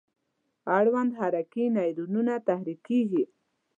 اړوند حرکي نیورون تحریکیږي.